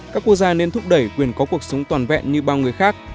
các quốc gia nên thúc đẩy quyền có cuộc sống toàn vẹn như bao người khác